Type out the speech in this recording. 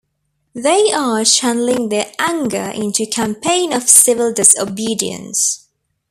They are channelling their anger into a campaign of civil disobedience.